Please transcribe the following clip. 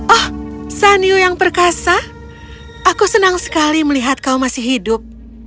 oh sanyu yang perkasa aku senang sekali melihat kau masih hidup